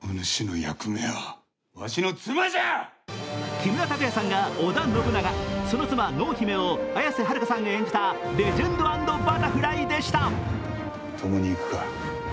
木村拓哉さんが織田信長、その妻、濃姫を綾瀬はるかさんが演じた「レジェンド＆バタフライ」でした。